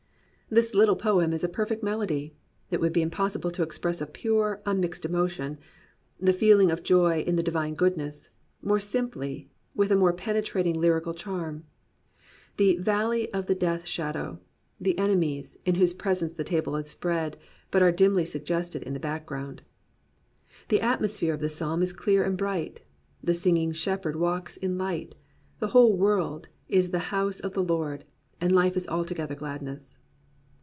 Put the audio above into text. This little poem is a i>erfect melody. It would be impossible to express a pure, unmixed emotion — the feeling of joy in the Divine Goodness — more simply, with a more penetrating lyrical charm. The "valley of the death shadow," the "enemies" in whose presence the table is spread, are but dimly suggested in the background. The atmosphere of the psalm is clear and bright. The singing shepherd walks in light. The whole world is the House of the Lord, and Hfe is altogether gladness.